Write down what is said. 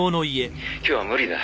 今日は無理だ。